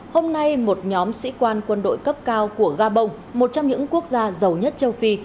hôm nay một nhóm sĩ quan quân đội cấp cao của gabon một trong những quốc gia giàu nhất châu phi